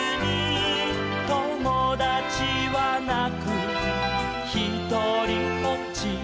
「ともだちはなくひとりぽっち」